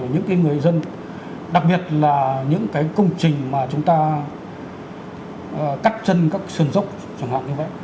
những người dân đặc biệt là những cái công trình mà chúng ta cắt chân các sườn dốc chẳng hạn như vậy